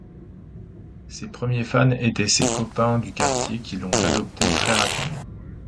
Ces premiers fans étaient ces copains du quartier qui l'ont adopté très rapidement.